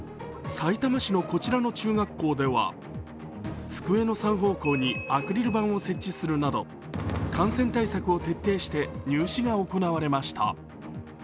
さいたま市のこちらの中学校では机の３方向にアクリル板を設置するなど感染対策を徹底して入試が行われました。